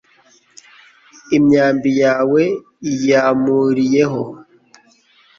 imyambi yawe yampuriyeho